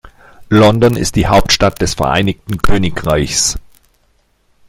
London ist die Hauptstadt des Vereinigten Königreichs.